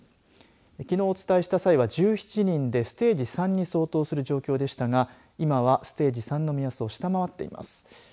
きのうお伝えした際は１７人でステージ３に相当する状況でしたが今はステージ３の目安を下回っています。